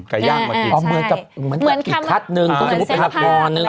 ไก่ย่างมากินเหมือนกับอีกคัดนึงเหมือนแสดงภาพ